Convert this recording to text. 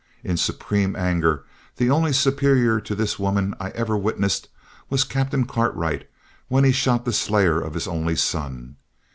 In supreme anger the only superior to this woman I ever witnessed was Captain Cartwright when he shot the slayer of his only son.